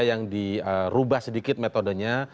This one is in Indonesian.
yang dirubah sedikit metodenya